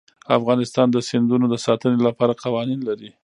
افغانستان د سیندونه د ساتنې لپاره قوانین لري.